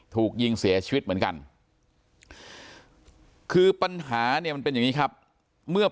ถูกยิงเสียชีวิตเหมือนกันคือปัญหาเนี่ยมันเป็นอย่างนี้ครับเมื่อ